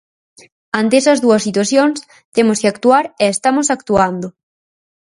Ante esas dúas situacións temos que actuar e estamos actuando.